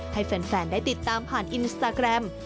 ให้แฟนได้ติดตามผ่านอินสตาแกรม